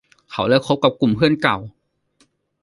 เค้าเลิกคบกับกลุ่มเพื่อนเก่า